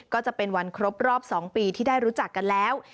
ก็จะเป็นวันครบรอบ๒ปีที่ได้รู้จักกันแล้ว